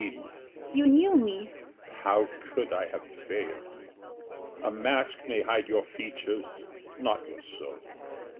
SHE. You knew me? HE. How could I have failed? A mask may hide your features, not your soul.